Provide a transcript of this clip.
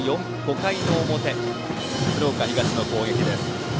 ５回の表、鶴岡東の攻撃です。